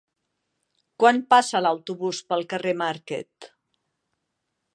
Quan passa l'autobús pel carrer Marquet?